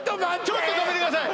ちょっと止めてください